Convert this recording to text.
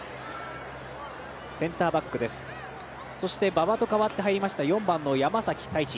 馬場と代わって入りました山崎大地。